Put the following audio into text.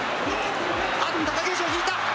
貴景勝引いた。